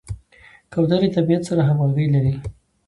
کوترې د طبیعت سره همغږي لري.